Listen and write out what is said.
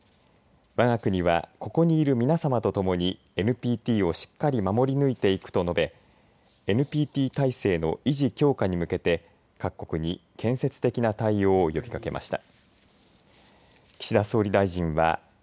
わが国はここにいる皆さまとともにＮＰＴをしっかり守り抜いていくと述べＮＰＴ体制の維持、強化に向けて各国に建設的な対応を呼びかけました。